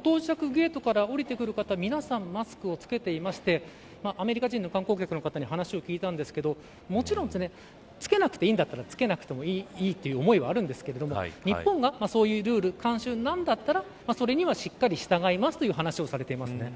到着ゲートから降りてくる方皆さん、マスクをつけていてアメリカ人の観光客の方に話を聞いたんですけどもちろん着けなくていいんだったらつけなくてもいいという思いはあるんですけど日本がそういうルール慣習なんだったらそれにはしっかり従いますという話をされていました。